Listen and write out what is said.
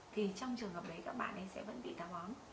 thì trong trường hợp đấy các bạn ấy sẽ vẫn bị táo bón